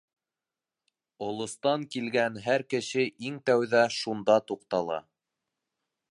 Олостан килгән һәр кеше иң тәүҙә шунда туҡтала.